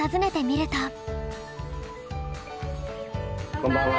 こんばんは。